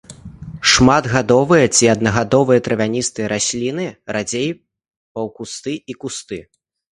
Шматгадовыя ці аднагадовыя травяністыя расліны, радзей паўкусты і кусты.